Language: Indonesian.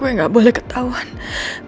gue gak boleh ke tahunmind